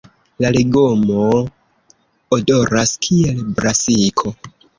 La legomo odoras kiel brasiko.